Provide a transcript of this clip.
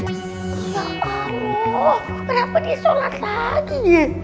ya allah kenapa disolat lagi